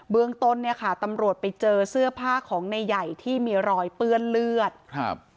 เมืองต้นเนี่ยค่ะตำรวจไปเจอเสื้อผ้าของในใหญ่ที่มีรอยเปื้อนเลือดครับ